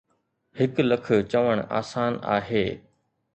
هڪ لک چوڻ آسان آهي.